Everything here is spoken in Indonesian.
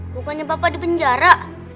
pokoknya papa di penjara